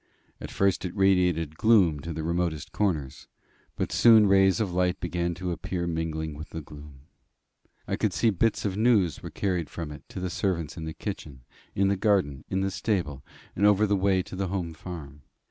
At first it radiated gloom to the remotest corners; but soon rays of light began to appear mingling with the gloom. I could see that bits of news were carried from it to the servants in the kitchen, in the garden, in the stable, and over the way to the home farm.